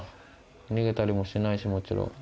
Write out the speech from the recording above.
逃げたりもしないしもちろん。